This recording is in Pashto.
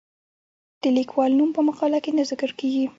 د لیکوال نوم په مقاله کې نه ذکر کیږي.